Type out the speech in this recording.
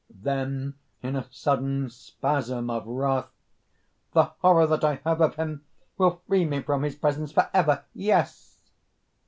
(Then in a sudden spasm of wrath): "The horror that I have of him will free me from his presence forever!... Yes!"